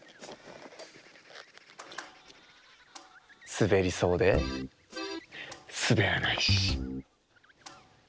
すべりそうですべらないし。